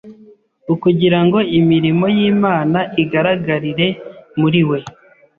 ukugirango imirimo y’Imana igaragarire muri we